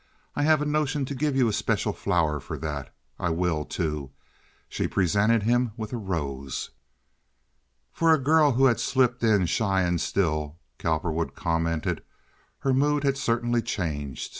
"I have a notion to give you a special flower for that. I will, too." She presented him with a rose. For a girl who had slipped in shy and still, Cowperwood commented, her mood had certainly changed.